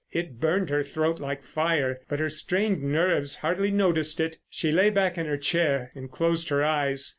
It burned her throat like fire, but her strained nerves hardly noticed it. She lay back in her chair and closed her eyes.